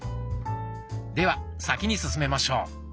では先に進めましょう。